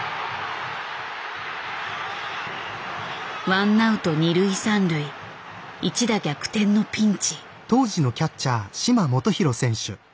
ワンアウト２塁３塁一打逆転のピンチ。